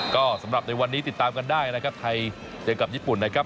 ก็สำหรับในวันนี้ติดตามกันได้นะครับไทยเจอกับญี่ปุ่นนะครับ